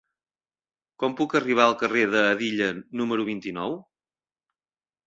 Com puc arribar al carrer d'Hedilla número vint-i-nou?